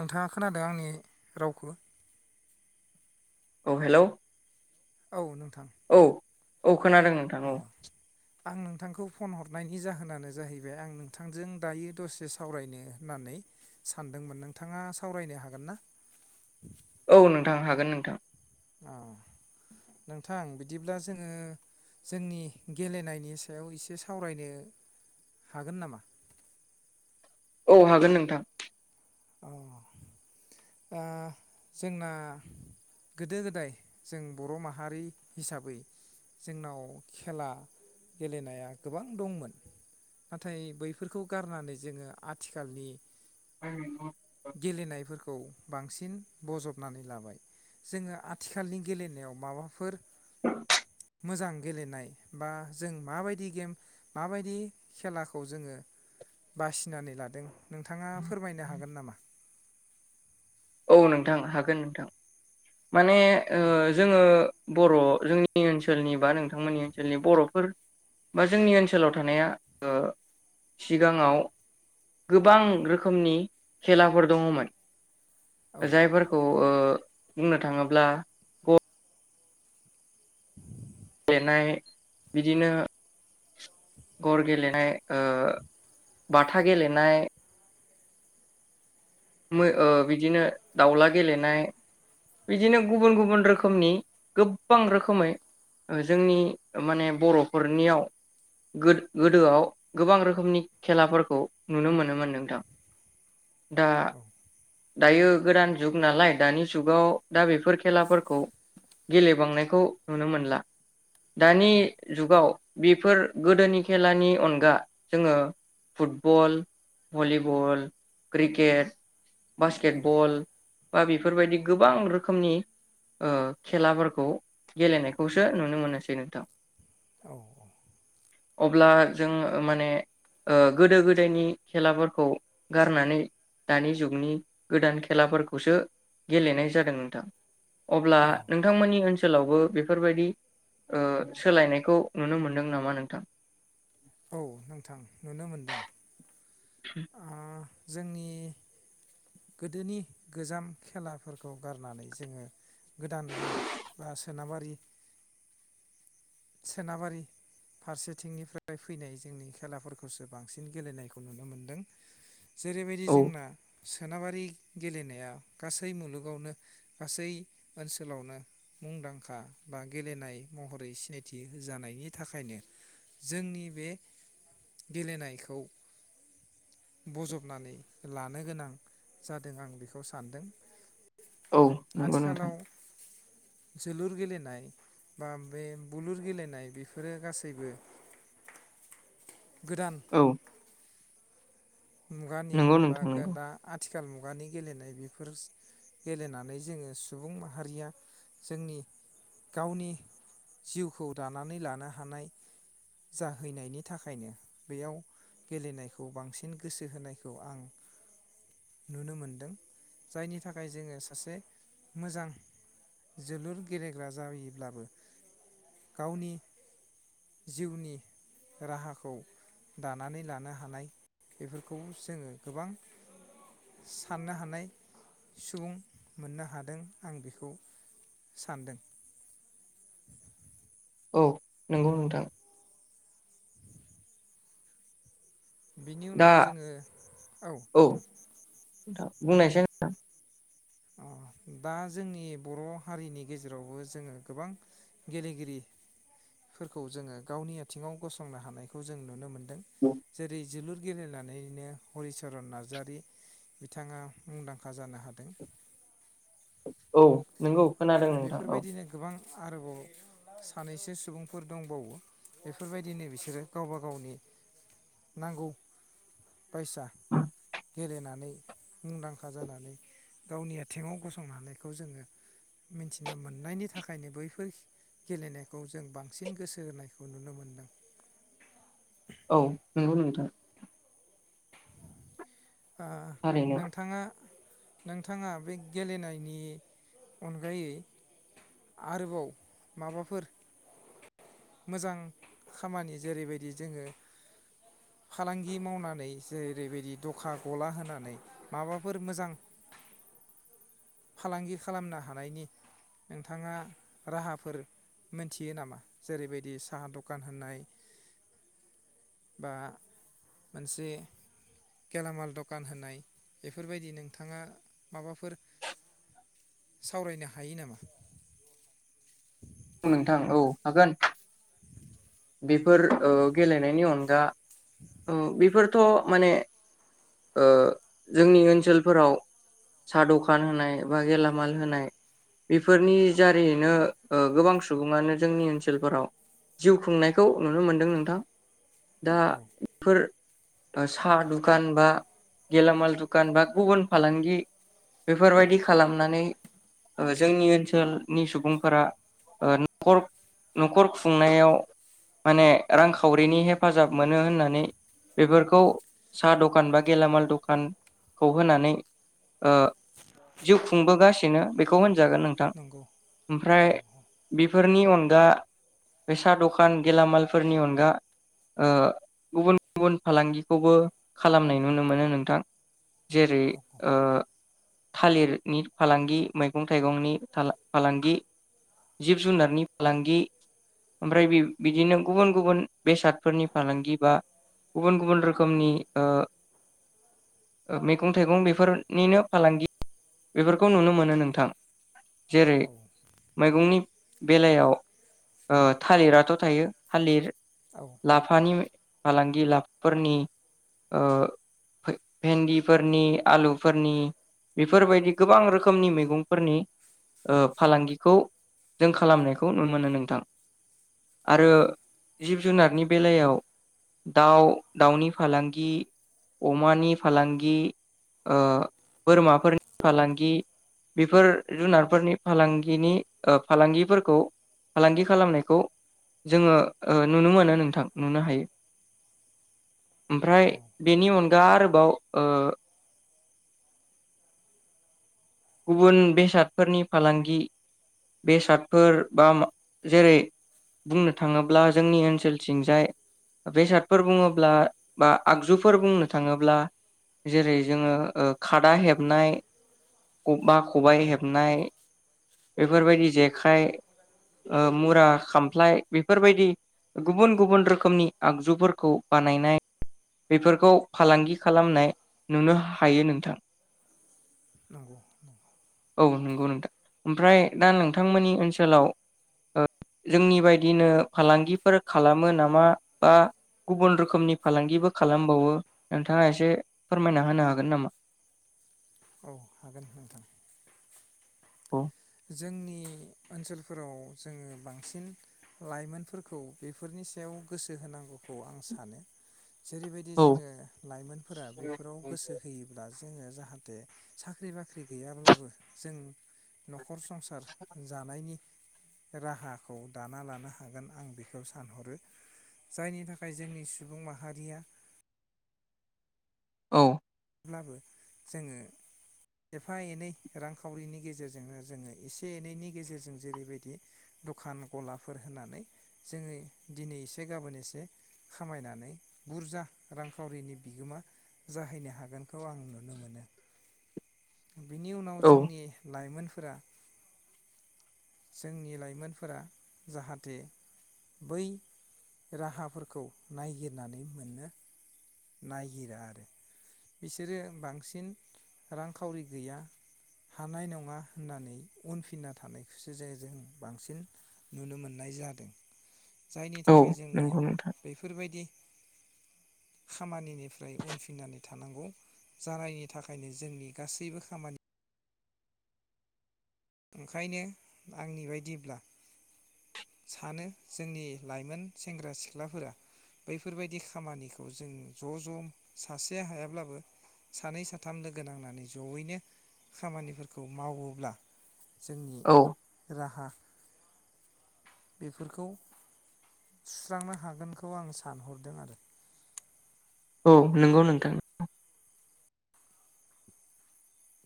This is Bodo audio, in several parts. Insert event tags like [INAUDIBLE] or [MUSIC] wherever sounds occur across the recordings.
नोंथाङा खोनादों आंनि रावखौ औ हेलौ' औ नोंथां औ औ खोनादों नोंथां अ औ आं नोंथांखौ फन हरनायनि जाहोनानो जाहैबाय आं नोंथांजों दायो दसे सावरायनो होननानै सानदोंमोन नोंथाङा सावरायनो हागोन ना औ नोंथां हागोन नोंथां अ नोंथां बिदिब्ला जोङो जोंनि गेलेनायनि सायाव एसे सावरायनो हागोन नामा? औ हागोन नोंथां औ दा जोंना गोदो गोदाय जों बर माहारि हिसाबै जोंनाव खेला गेलेनाया गोबां दंमोन नाथाय बैफोरखौ गारनानै जोङो आथिखालनि गेलेनायफोर खौ बांसिन बजबनानै लाबाय जोङो आथिखालनि गेलेनायाव माबाफोर मोजां गेलेनाय बा जों माबायदि गेम माबायदि खेलाखौ जोङो बासिनानै लादों। नोंथाङा फोरमायनो हागोन। [INAUDIBLE] औ नोंथां हागोन नोंथां माने ओ जोंङो बर' जोंनि ओनसोलनि बा नोंथांमोननि ओनसोलनि बर'फोर बा जोंनि ओनसोलाव थानाया ओ सिगाङाव गोबां रोखोमनि खेलाफोर दङमोन। औ जायफोरखौ ओ बुंनो थाङोब्ला ग गेलेनाय बिदिनो गर गेलेनाय बाथा गेलेनाय। औ मो ओ बिदिनो दाउला गेलेनाय बिदिनो गुबुन गुबुन रोखोमनि गोबां रोखोमै ओ जोंनि माने बरफोरनियाव गो गोदोआव गोबां रोखोमनि खेलाफोरखौ नुनो मोनोमोननो नोंथां दा औ दायो गोदान जुग नालाय दानि जुगाव दा बेफोर खेलाफोरखौ गेलेबांनायखौ नुनो मोनला। दानि औ जुगाव। बेफोर गोदोनि खेलानि अनगा जोङो फुटबल भलिबल क्रिकेट औ बासकेटबल बा बेफोरबायदि गोबां रोखोमनि ओ खेलाफोरखौ गेलेनायखौसो नुनो मोनसै नोंथां। औ औ। अब्ला जों मानेओ गोदो गोदायनि खेलाफोरखौ गारनानै दानि जुगनि गोदान खेलाफोरखौसो गेलेनाय जादों नोंथां। अब्ला औ नोंथांमोननि ओनसोल ओनसोलावबो बेफोरबायदि सोलायनायखौ नुनो मोनदों नामा नोंथां। औ नोंथां नुनो मोनदों। आ [INAUDIBLE] जोंनि गोदोनि गोजाम खेलाफोरखौ गारनानै जोङो गोदाननि बा सोनाबारि। सोनाबारि फारसेथिंनिफ्राय फैनाय जोंनि खेलाफोरखौसो बांसिन गेलेनायखौ नुनो मोनदों। जेरैबायदि औ जोंना। सोनाबारि गेलेनाया गासै मुलुगावनो गासै ओनसोलावनो मुंदांखा बा गेलेनाय महरै सिनायथि। थि जानायनि थाखायनो जोंनि बे गेलेनायखौ बजबनानै लानो गोनां जादों आं बेखौ सानदों। औ नंगौ नोंथां। आथिखालाव जोलुर गेलेनाय बा बे। बुलुर गेलेनाय बेफोरो गासैबो। गोदान। औ मुगानि नंगौ बा नोंथां नंगौ दा आथिखाल मुगानि गेलेनाय बेफोर गेलेनानै जोङो सुबुं माहारिया जोंनि गावनि जिउखौ दानानै लानो हानाय जाहैनायनि थाखायनो बेयाव गेलेनायखौ बांसिन। गोसो होनायखौ आं नुनो मोनदों जायनि थाखाय जोङो सासे मोजां जोलुर गेलेग्रा जायोब्लाबो गावनि जिउनि राहाखौ दानानै लानो हानाय। बेफोरखौ जोङो गोबां साननो हानाय सुबुं मोननो हादों आं बेखौ सानदों‌ औ नंगौ नोंथां। बिनि दा उनाव जोङो औ नोंथां। बुंनायसाय नोंथां। अ दा जोंनि बर हारिनि गेजेरावबो जोङो गोबां गेलेगिरिफोरखौ जोङो गावनि आथिङाव गसंनो हानायखौ जों नुनो मोनो। जेरै जोलुर गेलेनानैनो हरिचरन नार्जारि बिथाङा मुंदांखा जानो हादों औ नंगौ। खोनादों नोंथां औ बेफोरबायदिनो गोबां। आरोबाव सानैसो सुबुंफोर दंबावो बेफोरबायदिनो बिसोरो गावबा गावनि नांगौ बायसा गेलेनानै मुंदांखा जानानै गावनि आथिङाव गसंनो हानायखौ जोङो मिथिना मोननायनि थाखायनो बैफोर गेलेनायखौ जों बांसिन गोसो होनायखौ नुनो मोनदों। औ नंगौ नोंथां। ओ थारैनो नोंथाङा नोंथाङा बे गेलेनायनि अनगायै आरोबाव माबाफोर मोजां खामानि जेरैबायदि जोङो फालांगि मावनानै जेरैबायदि दखा गला होनानै माबाफोर मोजां फालांगि खालामनो हानायनि नोंथाङा राहाफोर मोनथियो नामा जेरैबायदि साहा दखान होननाय बा मोनसे गेलामाल दखान होनाय बेफोरबायदि नोंथाङा माबाफोर सावरायनो हायो नामा? औ नोंथां औ हागोन बेफोर ओ गेलेनायनि अनगा औ बेफोर थ माने ओ जोंनि ओनसोलफोराव साहा दखान होनाय बा गेलामाल होनाय बेफोरनि जारिनो ओ गोबां सुबुङानो जोंनि ओनसोलफोराव जिउ खुंनायखौ नुनो मोनदों नोंथां। दा औ फोर ओ साहा दुखान बा गेलामाल दुखान बा गुबुन फालांगि बेफोरबायदि खालामनानै ओ जोंनि ओनसोलनि सुबुंफोरा ओ नखर नखर खुंनायाव माने रांखावरिनि हेफाजाब मोनो होननानै बेफोरखौ साहा दखान बा गेलामाल दखानखौ होनानै ओ जिउ खुंबोगासिनो बेखौ होनजागोन नोंथां नंगौ ओमफ्राय औ बेफोरनि अनगा बे सा दखान गेलामालफोरनि अनगा ओ गुबुन गुबुन फालांगिखौबो खालामनाय नुनो मोनो नोंथां। जेरै औ ओ थालिरनि फालांगि मैगं थाइगंनि फालांगि। जिब जुनारनि फालांगि ओमफ्राय बि-बिदिनो गुबुन गुबुन बेसादफोरनि फालांगि बा गुबुन गुबुन रोखोमनि ओ मैगं थाइगं बेफोरनिनो फालांगि बेफोरखौ नुनो मोनो नोंथां। जेरै फुंनि बेलायाव ओ थालिराथ थायो थालिर औ लाफानि फालांगि लाफाफोरनि ओ भेन्दिफोरनि आलुफोरनि बेफोरबायदि गोबां रोखोमनि मैगंफोरनि ओ फालांगिखौ जों खालामनायखौ नुनो मोनो नोंथां औ आरो जिब जुनारनि बेलायाव दाउ दाउनि फालांगि अमानि फालांगि ओ बोरमाफोरनि फालांगि बेफोर जुनारफोरनि फालांगिनि ओ फालांगिफोरखौ फालांगि खालामनायखौ जोङो ओ नुनो मोनो नोंथां नुनो हायो। ओमफ्राय बेनि अन दा आरोबाव ओ गुबुन बेसादफोरनि फालांगि बेसादफोर बा मा जेरै बुंनो थाङोब्ला जोंनि ओनसोलथिंजाय बेसादफोर बुङोब्ला बा आगजुफोर बुंनो थाङोब्ला जेरै जोङो ओ खादा हेबनाय। बा खबाइ औ हेबनाय। बेफोरबायदि जेखाइ ओ मुरा खामफ्लाय बेफोरबायदि गुबुन गुबुन रोखोमनि आगजुफोरखौ बानायनाय बेफोरखौ फालांगि खालामनाय नुनो हायो नोंथां। नंगौ औ नंगौ नोंथां ओमफ्राय दा नोंथांमोननि ओनसोलाव ओ जोंनि बायदिनो फालांगिफोर खालामो नामा बा गुबुन रोखोमनि फालांगिबो खालामबावो नोंथाङा इसे फोरमायना होनो हागोन नामा? औ हागोन नोंथां। अ जोंनि ओनसोलफोराव जोङो बांसिन लाइमोनफोरखौ बेफोरनि सायाव गोसो होनांगौखौ आं सानो। जेरैबायदि औ जोङो लाइमोनफोरा बेफोराव गोसो होयोब्ला जोङो जाहाथे साख्रि बाख्रि गैयाब्लाबो जों नखर संसार जानायनि राहाखौ दाना लानो हागोन आं बेखौ सानहरो जायनि थाखाय जोंनि सुबुं माहारिया औ अब्लाबो जोङो एफा एनै रांखावरिनि गेजेरजोंनो जोङो इसे एनैनि गेजेरजों जेरैबायदि दखान गलाफोर होनानै जोङो दिनै इसे गाबोन इसे खामायनानै बुरजा रांखावरिनि बिगोमा जाहैनो हागोन। हागोनखौ आं नुनो मोनो बिनि उनाव औ जोंनि लाइमोन फोरा जोंनि लाइमोनफोरा जाहाथे बै राहाफोरखौ नायगिरनानै मोनो नायगिरा आरो बिसोरो बांसिन रांखावरि गैया हानाय नङा होननानै उनफिनना थानायखौसो जे जों बांसिन नुनो मोननाय जादों। जायनि औ थाखाय जोङो नंगौ नोंथां बेफोरबायदि खामानिनिफ्राय उनफिननानै थानांगौ जायनि थाखायनो जोंनि गासैबो खामानि ओंखायनो आंनि बायदिब्ला सानो जोंनि लाइमोन सेंग्रा सिख्लाफोरा बैफोरबायदि खामानिखौ जों ज‌ ज सासे हायाब्लाबो सानै साथाम लोगो नांनानै जयैनो खामानिफोरखौ मावोब्ला जोंनि औ राहा बेफोरखौ सुस्रांनो हागोनखौ आं सानहरदों आरो औ नंगौ नोंथां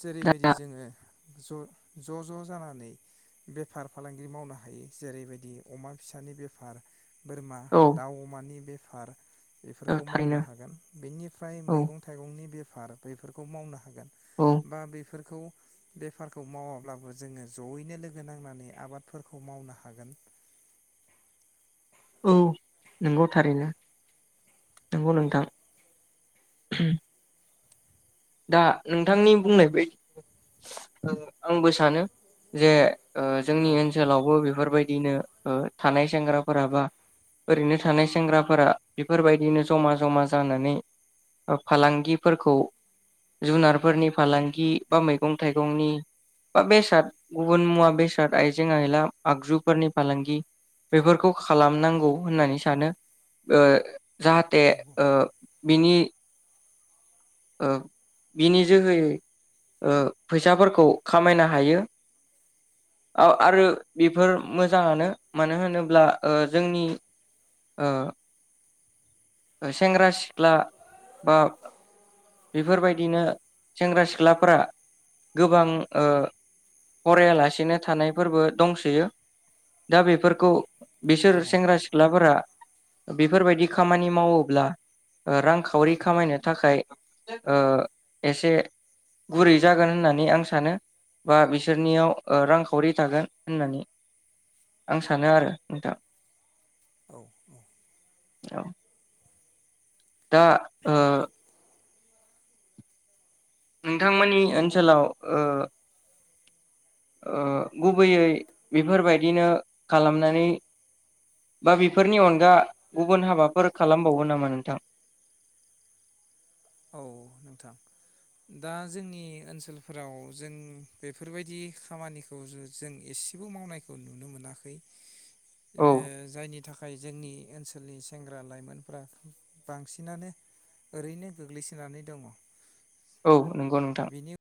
जेरैबायदि दा जोङो ज' ज' जानानै बेफार फालांगि मावनो हायो जेरैबायदि अमा फिसानि बेफार बोरमा औ दाउ अमानि बे फार औ बेफोरखौ थारैनो मावनो हागोन। बेनिफ्राय औ मैगं-थाइगंनि बे फार बैफोरखौ मावनो हागोन औ बा बेफोरखौ बेफारखौ मावाब्लाबो जोङो जयैनो लोगो नांनानै आबादफोरखौ मावनो हागोन। औ नंगौ थारैनो नंगौ औ नोंथां [UNINTELLIGIBLE] दा नोंथांनि बुंनाय बायदि आं आंबो सानो जे ओ जोंनि औ ओनसोलावबो बेफोरबाय दिनो ओ थानाय सेंग्राफोरा बा, ओरैनो थानाय सेंग्राफोरा बेफोरबायदिनो जमा जमा जानानै ओ फालांगिफोरखौ जुनारफोरनि फालांगि बा मैगं-थाइगंनि बा बेसाद गुबुन मुवा बेसाद आइजें आयला आगजुफोरनि फालांगि बेफोरखौ खालामनांगौ होननानै सानो ओ जाहाथे नंगौ ओ बिनि ओ बिनि जोहोयै ओ फैसाफोरखौ खामायनो हायो, ओ आरो बेफोर मोजाङानो, मानो होनोब्ला ओ जोंनि ओ सेंग्रा सिख्ला बा बेफोरबायदिनो सेंग्रा सिख्लाफोरा गोबां ओ फरायालासिनो थानायफोरबो दंसोयो दा बेफोरखौ बिसोर दङ सेंग्रा दङ सिख्लाफोरा बेफोरबायदि खामानि मावोब्ला ओ रांखावरि खामायनो थाखाय ओ एसे गुरै जागोन होननानै आं सानो बा बिसोरनियाव ओ रांखावरि थागोन होननानै आं सानो आरो नोंथां। औ औ औ दा ओ नोंथांमोननि ओनसोलाव ओ ओ गुबैयै बेफोरबायदिनो खालामनानै बा बेफोरनि अनगा गुबुन हाबाफोर खालामबावो नामा नोंथां? औ नोंथां दा जोंनि ओनसोलफोराव जों बेफोरबायदि खामानिखौ जों एसेबो मावनायखौ नुनो मोनाखै औ ए जायनि थाखाय बे जोंनि ओनसोलनि सेंग्रा लाइमोनफ्रा बांसिनानो ओरैनो गोग्लैसोनानै दङ। औ नंगौ नोंथां। बिनि